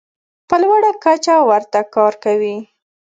په لوړه کچه ورته کار کوي.